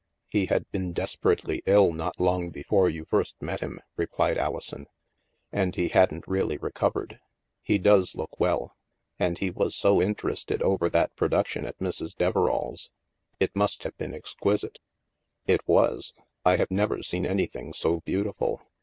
" He had been desperately ill not long before you first met him," replied Alison, " and he hadn't really recovered. He does look well. And he was so interested over that production at Mrs. Deverall's. It must have been exquisite." " It was. I have never seen anything so beau tiful.